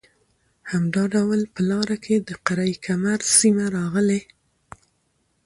همدا ډول په لاره کې د قره کمر سیمه راغلې